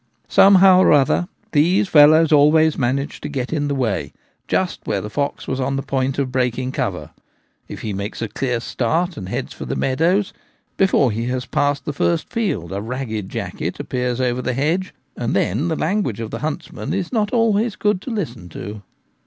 Somehow or other these fellows always manage to get in the way just where the fox was on the point of breaking cover ; if he makes a clear start and heads for the meadows, before he has passed the first field a ragged jacket appears over the hedge, and then the language of the huntsman is not always good to listen to.